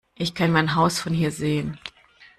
Ich kann mein Haus von hier sehen!